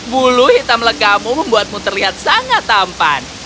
bulu hitam legamu membuatmu terlihat sangat tampan